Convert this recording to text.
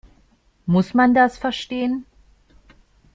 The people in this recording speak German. Muss man das verstehen?